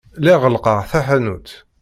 Lliɣ ɣellqeɣ taḥanut.